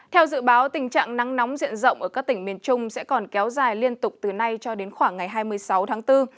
theo dự báo tình trạng nắng nóng diện rộng ở các tỉnh miền trung sẽ còn kéo dài liên tục từ nay cho đến khoảng ngày hai mươi sáu tháng bốn